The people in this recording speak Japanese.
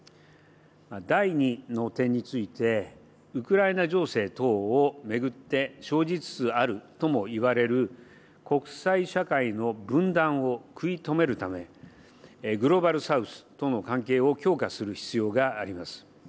第２の点について、ウクライナ情勢等を巡って生じつつあるともいわれる国際社会の分断を食い止めるため、グローバル・サウスとの関係を強化する必要があります。